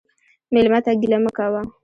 مېلمه ته ګیله مه کوه.